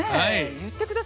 言ってください。